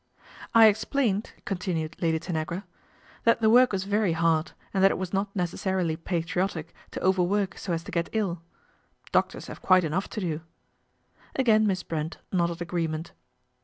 I explained," continued Lady Tanagra, " that work was very hard, and that it was not cessarily patriotic to overwork so as to get ill. ;, Ibctors have quite enough to do." ; I] Again Miss Brent nodded agreement.